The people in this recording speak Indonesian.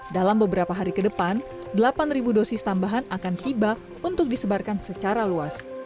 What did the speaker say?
dalam beberapa hari ke depan delapan dosis tambahan akan tiba untuk disebarkan secara luas